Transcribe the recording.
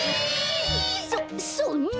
そそんな。